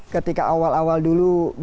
ketika awal awal dulu baru lulus jadi